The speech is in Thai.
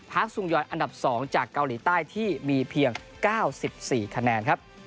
ซุงยอยอันดับ๒จากเกาหลีใต้ที่มีเพียง๙๔คะแนนครับ